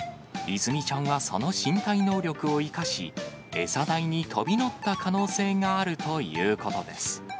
いずみちゃんはその身体能力を生かし、餌台に飛び乗った可能性があるということです。